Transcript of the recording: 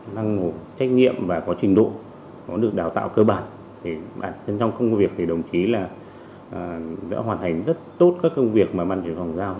đang ngủ trách nhiệm và có trình độ có được đào tạo cơ bản thì bản thân trong công việc thì đồng chí là đã hoàn thành rất tốt các công việc mà bàn truyền hòa chúng tôi giao